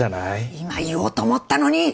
今言おうと思ったのに！